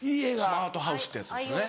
スマートハウスってやつですよね。